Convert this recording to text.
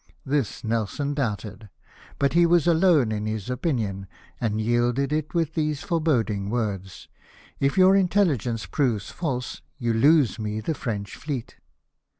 This Nelson doubted; but he was alone in his opinion, and yielded it with these foreboding words :" If your intelligence proves false, you lose me the French fleet."